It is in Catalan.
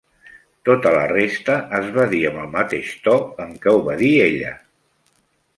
Toda la resta es va dir amb el mateix to en què ho va dir ella.